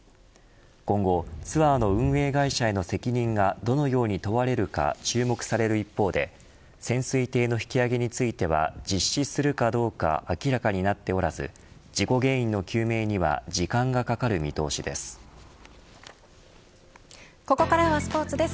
今後ツアーの運営会社への責任がどのように問われるか注目される一方で潜水艇の引き揚げについては実施するかどうか明らかになっておらず事故原因の究明にはここからはスポーツです。